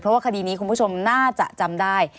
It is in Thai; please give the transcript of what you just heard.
เพราะว่าคดีนี้คุณผู้ชมน่าจะจำได้